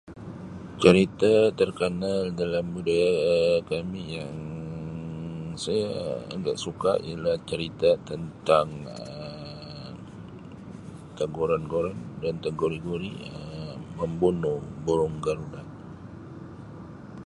Cerita terkenal dalam budaya sa-[Um] kami yang saya agak suka ialah cerita tentang Um teguran-guran dan membunuh burung garuda.